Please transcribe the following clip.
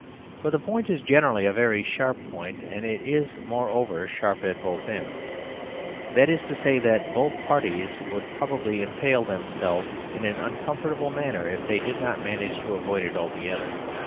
For the point is generally a very sharp point; and is, moreover, sharp at both ends. That is to say that both parties would probably impale themselves in an uncomfortable manner if they did not manage to avoid it altogether.